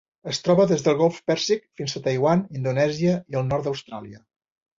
Es troba des del Golf Pèrsic fins a Taiwan, Indonèsia i el nord d'Austràlia.